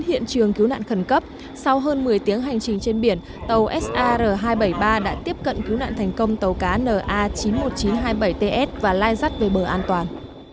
hiện trường cứu nạn khẩn cấp sau hơn một mươi tiếng hành trình trên biển tàu sar hai trăm bảy mươi ba đã tiếp cận cứu nạn thành công tàu cá na chín mươi một nghìn chín trăm hai mươi bảy ts và lai dắt về bờ an toàn